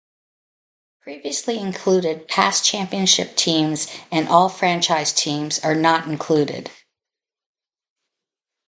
Previously included "Past Championship Teams" and "All-Franchise" teams are not included.